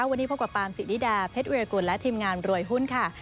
วันนี้พบกับปามสินิดาเพชรวิรกุลและทีมงานรวยหุ้นค่ะ